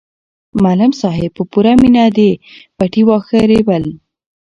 معلم صاحب په پوره مینه د پټي واښه رېبل.